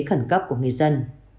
khẩn cấp của người dân